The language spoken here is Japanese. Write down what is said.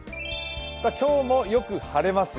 今日もよく晴れますよ。